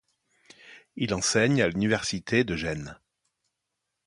Il enseigne à l'Université de Gênes.